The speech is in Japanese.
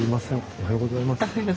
おはようございます。